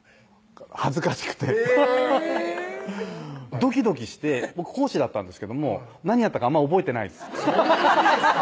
恥ずかしくてへぇドキドキして僕講師だったんですけども何やったかあんま覚えてないそんなにですか？